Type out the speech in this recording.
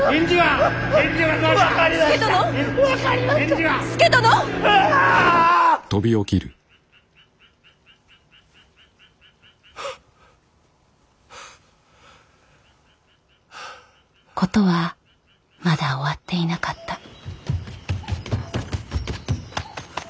事はまだ終わっていなかった。